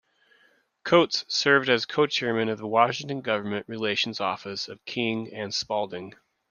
Coats served as co-chairman of the Washington government relations office of King and Spalding.